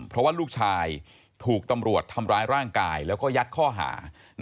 เพราะว่าลูกชายถูกตำรวจทำร้ายร่างกายแล้วก็ยัดข้อหา